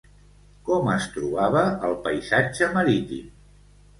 Com es trobava el paisatge marítim?